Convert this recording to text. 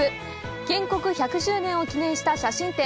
建国１００周年を記念した写真展